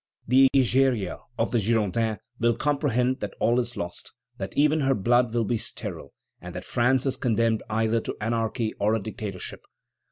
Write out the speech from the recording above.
The Egeria of the Girondins will comprehend that all is lost, that even her blood will be sterile, and that France is condemned either to anarchy or a dictatorship.